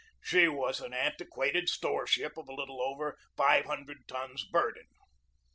She was an antiquated store ship of a little over five hundred tons burden.